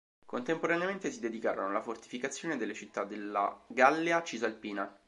Contemporaneamente si dedicarono alla fortificazione delle città della Gallia cisalpina.